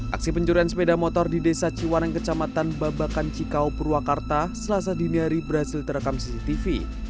aksi pencurian sepeda motor di desa ciwaneng kecamatan babakan cikau purwakarta selasa dini hari berhasil terekam cctv